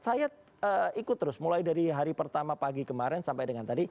saya ikut terus mulai dari hari pertama pagi kemarin sampai dengan tadi